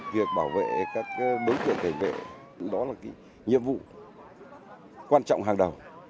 việc bảo vệ các bối tượng thể vệ đó là nhiệm vụ quan trọng hàng đầu